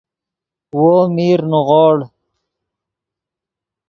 وو میر نیغوڑ